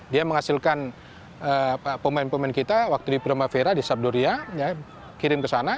dia menghasilkan pemain pemain kita waktu di primavera di sabdoria kirim ke sana